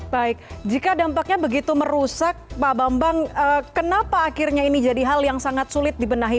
baik jika dampaknya begitu merusak pak bambang kenapa akhirnya ini jadi hal yang sangat sulit dibenahi